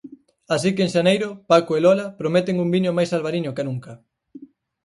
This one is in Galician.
Así que en xaneiro Paco e Lola prometen un viño máis albariño ca nunca.